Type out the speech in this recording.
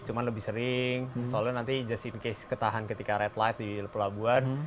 cuman lebih sering soalnya nanti just in case ketahan ketika red light di pelabuhan